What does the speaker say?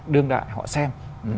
đương đại họ xem